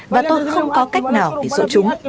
và tôi không có cách nào để dỗ chúng